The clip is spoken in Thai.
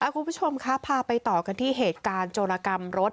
คุณผู้ชมครับพาไปต่อกันที่เหตุการณ์โจรกรรมรถ